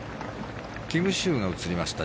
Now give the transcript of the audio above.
キム・シウが映りました。